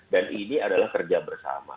dan ini adalah kerja bersama